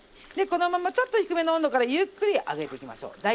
でこのままちょっと低めの温度からゆっくり揚げていきましょう。